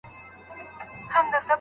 مرگه! نژدې يې څو شېبې د ژوندانه پاتې دي